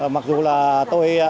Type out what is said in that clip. mặc dù là tôi đã